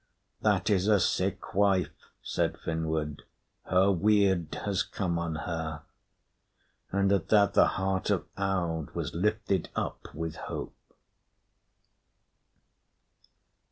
"That is a sick wife," said Finnward, "Her weird has come on her." And at that the heart of Aud was lifted up with hope.